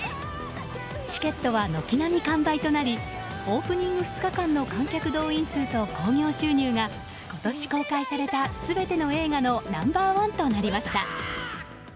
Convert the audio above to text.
チケットは、軒並み完売となりオープニング２日間の観客動員数と興行収入が今年公開された全ての映画のナンバー１となりました。